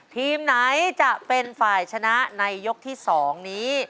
ทีมไหนจะเป็นฝ่ายชนะในยกที่๒นี้